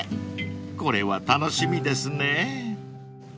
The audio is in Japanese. ［これは楽しみですね］